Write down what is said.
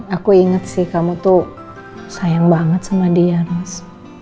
aku inget sih kamu tuh sayang banget sama dia mas